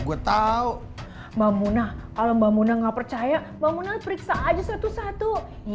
gue tahu mamunah kalau mbak muna nggak percaya mbak muna periksa aja satu satu